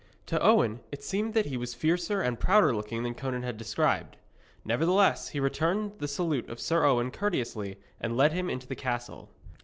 To Owen it seemed that he was fiercer and prouder looking than Conan had described. Nevertheless, he returned the salute of Sir Owen courteously and led him into the castle.